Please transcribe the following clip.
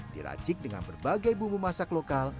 diracik dengan berbagai bumbu masak lokal